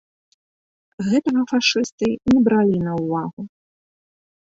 Гэтага фашысты не бралі на ўвагу.